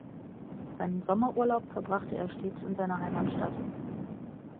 Seinen Sommerurlaub verbrachte er stets in seiner Heimatstadt.